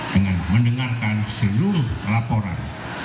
dengan mendengarkan seluruh laporan